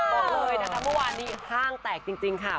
บอกเลยนะคะเมื่อวานนี้ห้างแตกจริงค่ะ